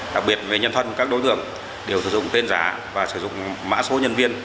đặc biệt về nhân thân các đối tượng đều sử dụng tên giá và sử dụng mã số nhân viên